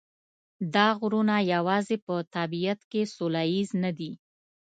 دا غرونه یوازې په طبیعت کې سوله ییز نه دي.